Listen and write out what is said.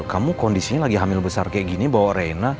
kamu kondisinya lagi hamil besar kayak gini bawa reina